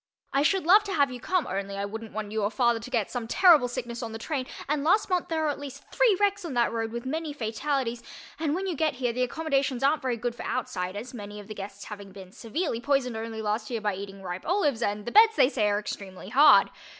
I should love to have you come only I wouldn't want you or father to get some terrible sickness on the train and last month there were at least three wrecks on that road, with many fatalities, and when you get here the accommodations aren't very good for outsiders, many of the guests having been severely poisoned only last year by eating ripe olives and the beds, they say, are extremely hard.